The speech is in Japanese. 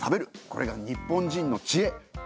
これが日本人の知恵！